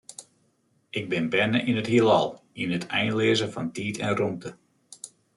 Ik bin berne yn it Hielal, yn it einleaze fan tiid en rûmte.